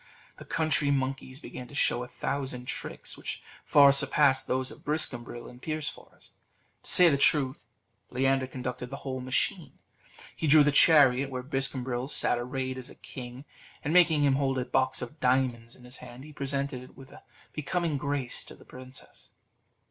The country monkeys began to show a thousand tricks, which far surpassed those of Briscambril and Pierceforest. To say the truth, Leander conducted the whole machine. He drew the chariot where Briscambril sat arrayed as a king, and making him hold a box of diamonds in his hand, he presented it with a becoming grace to the princess.